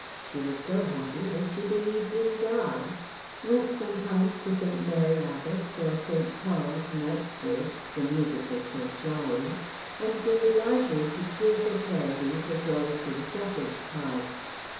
She was so happy that she believed in God, went sometimes to St. Mary Abbott's or St. Paul's, Knightsbridge the music was so jolly and gave largely to cheerful charities as well as to the Suffrage Cause.